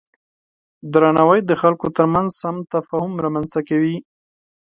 درناوی د خلکو ترمنځ سم تفاهم رامنځته کوي.